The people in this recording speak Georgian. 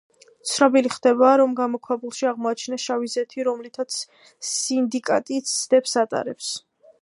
ცნობილი ხდება, რომ გამოქვაბულში აღმოაჩინეს შავი ზეთი, რომლითაც სინდიკატი ცდებს ატარებს.